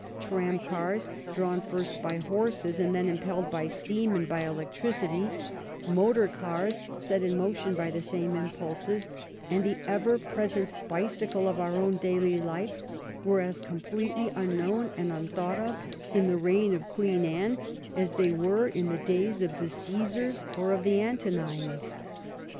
Tram cars, drawn first by horses and then impelled by steam and by electricity, motor cars set in motion by the same impulses, and the ever present bicycle of our own daily life were as completely unknown and unthought of in the reign of Queen Anne as they were in the days of the Ccesars or of the Antonines.